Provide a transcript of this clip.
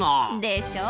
でしょ？